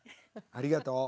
ありがとう。